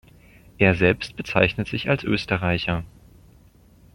Er selbst bezeichnet sich als Österreicher.